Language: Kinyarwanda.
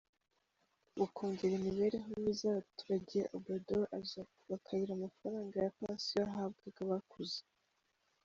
Mu kongera imibereho myiza y’abaturage, Obrador azakuba kabiri amafaranga ya pansiyo yahabwaga abakuze.